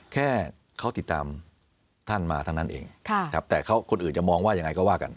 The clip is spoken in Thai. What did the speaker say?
แค่เขาติดตามท่านมาเท่านั้นเองแต่คนอื่นจะมองว่ายังไงก็ว่ากัน